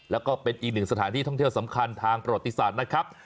แล้วก็เป็นอีกหนึ่งสถานที่ท่องเที่ยวสำคัญทางประวัติศาสตร์นะครับ